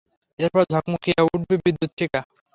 এরপর ঝকমকিয়ে উঠেব বিদ্যুতশিখা।